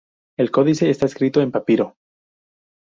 El códice está escrito en papiro.